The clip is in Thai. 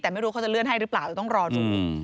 แต่ไม่รู้เขาจะเลื่อนให้หรือเปล่าต้องรอดู